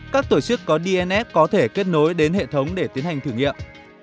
các tổ chức có dns có thể kết nối đến hệ thống để tiến hành thử nghiệm